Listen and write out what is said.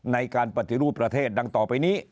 ในการปฏิรูปประเทศดังต่อไปนี้